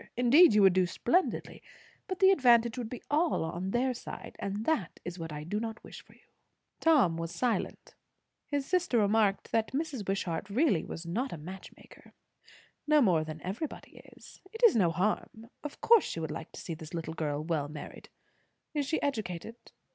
Indeed you would do splendidly; but the advantage would be all on their side; and that is what I do not wish for you." Tom was silent. His sister remarked that Mrs. Wishart really was not a match maker. "No more than everybody is; it is no harm; of course she would like to see this little girl well married. Is she educated?